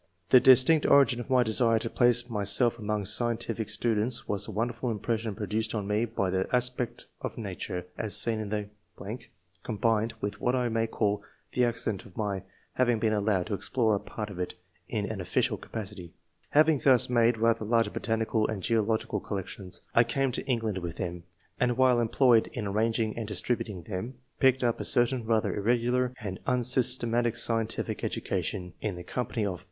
The distinct origin of my desire to place myself among scientific students was the wonderful impression produced on me by the aspect of nature, as seen in the .... combined with what I may call the accident of my having been allowed to explore a part of it in an ofl&cial capacity. Having thus made rather large botanical and geological collections, I came to England with them, and while em ployed in arranging and distributing them, picked up a certain rather irregular and un III.] ORIGIN OF TASTE FOR SCIENCE. 155 systematic scientific education, in the company of